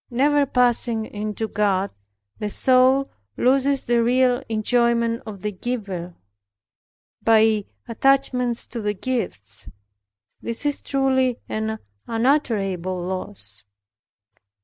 Never passing into God the soul loses the real enjoyment of the Giver, by attachments to the gifts. This is truly an unutterable loss.